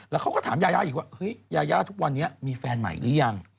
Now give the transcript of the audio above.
แล้วเขาก็ถามยายาอีกว่าเฮ้ยยายาทุกวันนี้มีแฟนใหม่หรือยัง